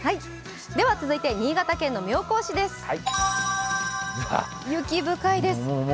では続いて新潟県の妙高市です。